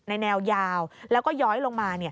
แนวยาวแล้วก็ย้อยลงมา